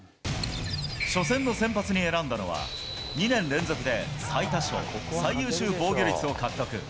初戦の先発に選んだのは、２年連続で最多勝、最優秀防御率を獲得。